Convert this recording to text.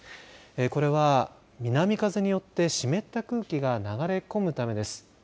これは、南風によって湿った空気が流れ込むためです。